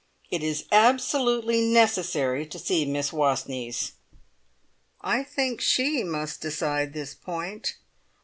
It is absolutely necessary to see Miss Wastneys." "I think she must decide this point."